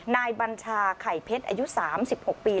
บัญชาไข่เพชรอายุ๓๖ปี